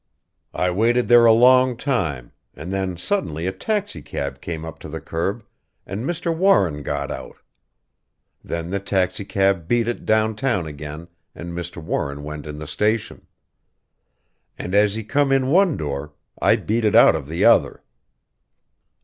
"I waited there a long time, and then suddenly a taxicab came up to the curb and Mr. Warren got out. Then the taxicab beat it down town again and Mr. Warren went in the station. And as he come in one door, I beat it out of the other."